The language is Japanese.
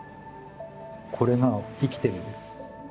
これが生きてるんです。